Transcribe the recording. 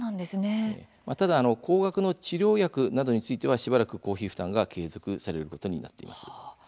ただ高額の治療薬などについてはしばらく公費負担が継続されることになっています。